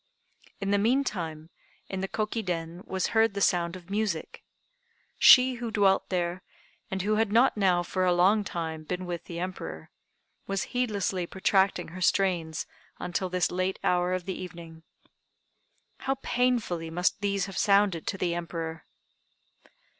In the meantime, in the Koki Den was heard the sound of music. She who dwelt there, and who had not now for a long time been with the Emperor, was heedlessly protracting her strains until this late hour of the evening. How painfully must these have sounded to the Emperor!